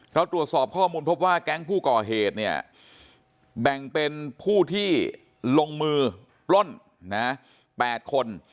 เราตรวจสอบข้อมูลพบว่าแก๊งผู้ก่อเหตุเนี่ยแบ่งเป็นผู้ที่ลงมือปล้น๘คน